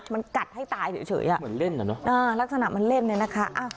มันกัดให้ตายเฉยเฉยอ่ะเหมือนเล่นอ่ะเนอะอ่า